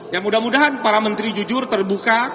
ya mudah mudahan para menteri jujur terbuka